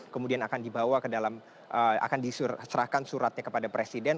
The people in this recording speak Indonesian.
kemudian akan diserahkan suratnya kepada presiden